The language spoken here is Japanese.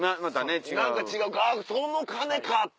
何か違う「あっその鐘か」って。